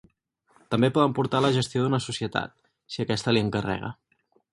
També poden portar la gestió d'una societat, si aquesta li encarrega.